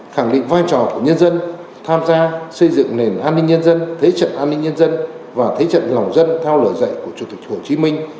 khẳng định vai trò của nhân dân tham gia xây dựng nền an ninh nhân dân thế trận an ninh nhân dân và thế trận lòng dân theo lời dạy của chủ tịch hồ chí minh